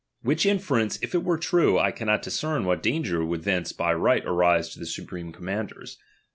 Which inference, if it were true, I cannot discern what danger would thence by right arise to the supreme commanders.